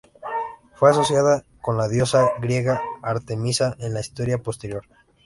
Fue asociada con la diosa griega Artemisa en la historia posterior.